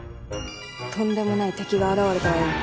とんでもない敵が現れたわよ